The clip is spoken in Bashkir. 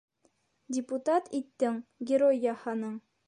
Депутат иттең, герой яһаның.